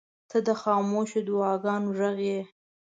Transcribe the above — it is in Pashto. • ته د خاموشو دعاوو غږ یې.